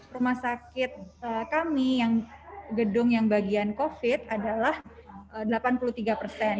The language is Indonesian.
rumah sakit kami yang gedung yang bagian covid adalah delapan puluh tiga persen